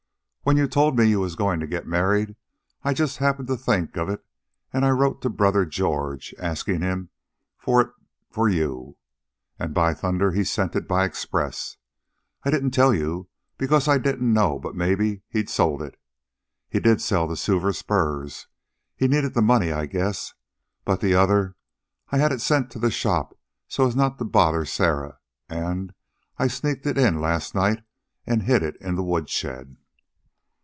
"When you told me you was goin' to get married, I just happened to think of it, an' I wrote to brother George, askin' him for it for you. An' by thunder he sent it by express. I didn't tell you because I didn't know but maybe he'd sold it. He did sell the silver spurs. He needed the money, I guess. But the other, I had it sent to the shop so as not to bother Sarah, an' I sneaked it in last night an' hid it in the woodshed."